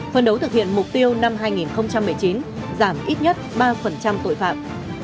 phân đấu thực hiện mục tiêu năm hai nghìn một mươi chín giảm ít nhất ba tội phạm